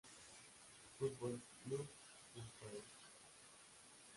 Fútbol Club Cienfuegos